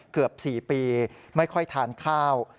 เกือบ๔ปีไม่ค่อยทานข้าว